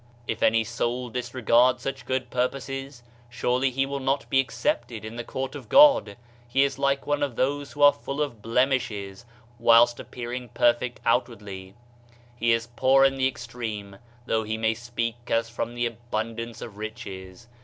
If any soul disregard such good purposes, surely he will not be accepted in the Court of God ; he is like one of those who are full of blemishes whilst appearing perfect outwardly; he is poor in the extreme, though he may speak as from the abundance of riches.